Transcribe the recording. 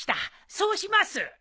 そうします。